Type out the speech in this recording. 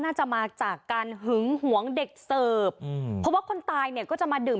น่าจะมาจากการหึงหวงเด็กเสิร์ฟอืมเพราะว่าคนตายเนี่ยก็จะมาดื่ม